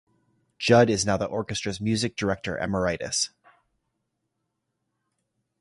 Judd is now the orchestra's Music Director Emeritus.